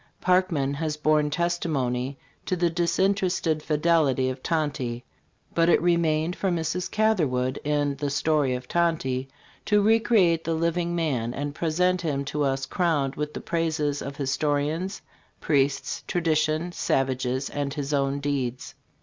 Parkman has borne testimony to the disinterested fidelity of Tonty; but it remained for Mrs. Catherwood in "The Story of Tonty" to recreate the living man and present him to us crowned with the praises of "histo rians, priests, tradition, savages and his own deeds."